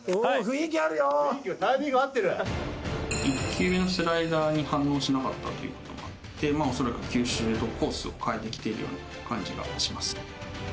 １球目のスライダーに反応しなかったということもあっておそらく球種とコースを変えてきてるような感じがします。